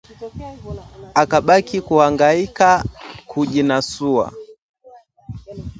Akabaki kuhangaika kujinasua